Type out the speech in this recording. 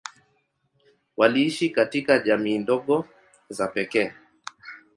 Waliishi katika jamii ndogo za pekee.